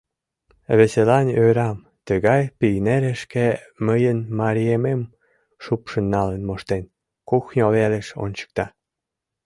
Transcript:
Весылан ӧрам: тыгай пийнерешке мыйын мариемым шупшын налын моштен, — кухньо велыш ончыкта.